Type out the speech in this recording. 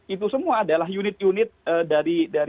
itu semua adalah unit unit dari